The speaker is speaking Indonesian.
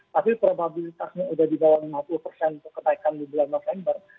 tapi probabilitasnya udah di bawah lima puluh kenaikan di bulan november